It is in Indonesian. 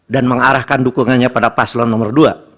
dan mengarahkan dukungannya pada paslon nomor dua